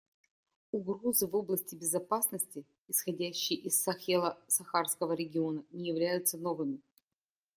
Угрозы в области безопасности, исходящие из Сахело-Сахарского региона, не являются новыми.